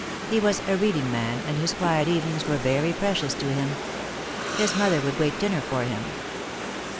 He was a reading man, and his quiet evenings were very precious to him. His mother would wait dinner for him.